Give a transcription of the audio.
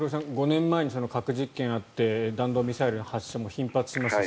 ５年前に核実験をやって弾道ミサイルの発射も頻発しました。